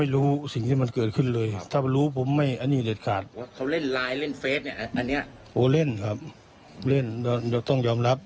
เราต้องยอมรับ